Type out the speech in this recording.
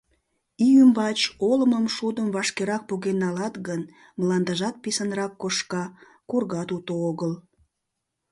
Ий ӱмбач олымым-шудым вашкерак поген налат гын, мландыжат писынрак кошка, кургат уто огыл.